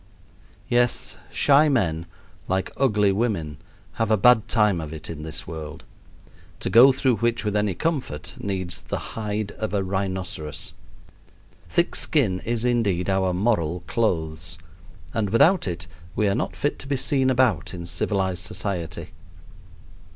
Yes, shy men, like ugly women, have a bad time of it in this world, to go through which with any comfort needs the hide of a rhinoceros. Thick skin is, indeed, our moral clothes, and without it we are not fit to be seen about in civilized society.